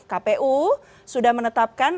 kpu sudah menetapkan